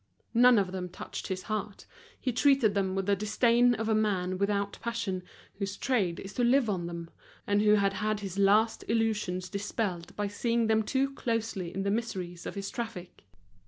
None of them touched his heart, he treated them with the disdain of a man without passion, whose trade is to live on them, and who had had his last illusions dispelled by seeing them too closely in the miseries of his traffic.